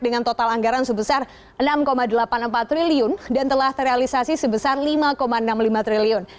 dengan total anggaran sebesar rp enam delapan puluh empat triliun dan telah terrealisasi sebesar rp lima enam puluh lima triliun